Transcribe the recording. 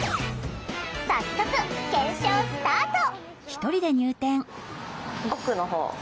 早速検証スタート！